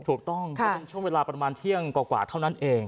ถูกต้องก็เป็นช่วงเวลาประมาณเที่ยงกว่าเท่านั้นเอง